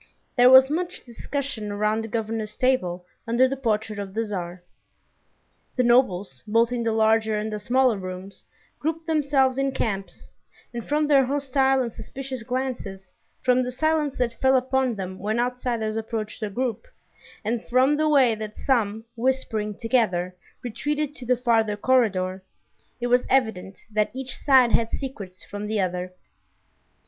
There was much discussion around the governor's table under the portrait of the Tsar. The nobles, both in the larger and the smaller rooms, grouped themselves in camps, and from their hostile and suspicious glances, from the silence that fell upon them when outsiders approached a group, and from the way that some, whispering together, retreated to the farther corridor, it was evident that each side had secrets from the other.